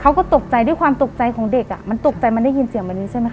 เขาก็ตกใจด้วยความตกใจของเด็กอ่ะมันตกใจมันได้ยินเสียงวันนี้ใช่ไหมค